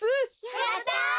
やった！